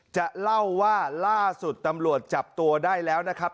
จะเล่าว่าล่าสุดตำรวจจับตัวได้แล้วนะครับ